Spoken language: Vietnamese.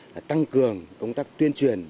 là tăng cường công tác tuyên truyền